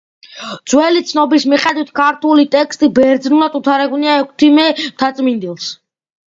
ძველი ცნობის მიხედვით, ქართული ტექსტი ბერძნულად უთარგმნია ექვთიმე მთაწმიდელს.